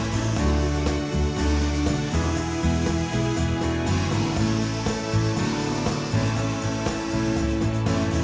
ขอบคุณที่ที่ทุกคนแล้วกัน